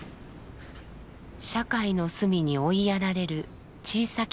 社会の隅に追いやられる小さき